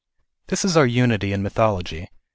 This is our unity in mythology !